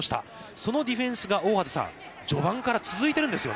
そのディフェンスが、大畑さん、序盤から続いてるんですよね。